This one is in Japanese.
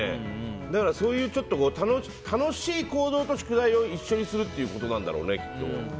だから、そういう楽しい行動と宿題を一緒にするということなんだろうね。